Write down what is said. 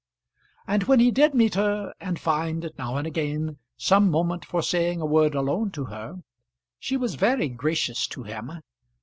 And when he did meet her, and find, now and again, some moment for saying a word alone to her, she was very gracious to him.